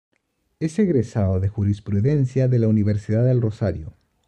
Es egresado de Jurisprudencia de la Universidad del Rosario.